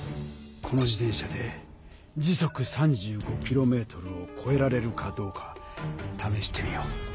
この自転車で時速３５キロメートルをこえられるかどうかためしてみよう。